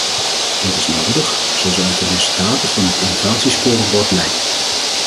Dat is nodig, zoals uit de resultaten van het innovatiescorebord blijkt.